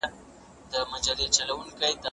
هغوی زموږ ستاینه نه ده کړې.